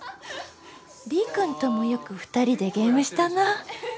Ｄくんともよく２人でゲームしたな。